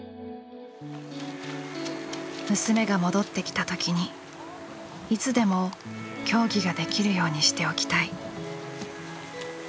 「娘が戻って来た時にいつでも競技ができるようにしておきたい」。